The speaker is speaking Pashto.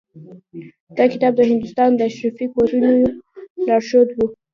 دا کتاب د هندوستان د اشرافي کورنیو لارښود و.